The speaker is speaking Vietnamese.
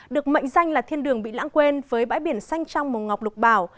được mệnh danh là thiên đường bị lãng quên với bãi biển xanh trong mùa ngọc lục bảo